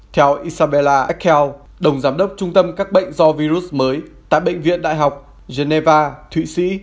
theo isabella akel đồng giám đốc trung tâm các bệnh do virus mới tại bệnh viện đại học geneva thụy sĩ